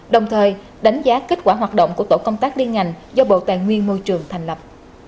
đồng thời đánh giá kết quả hoạt động của tổ công tác liên ngành do bộ tài nguyên môi trường thành lập